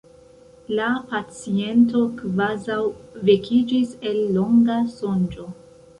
La paciento kvazaŭ vekiĝis el longa sonĝo.